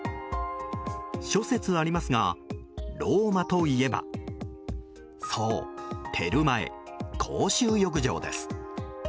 諸説ありますが、ローマといえばそう、テルマエ公衆浴場です。